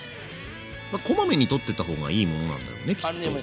こまめに取ってった方がいいものなんだよねきっと。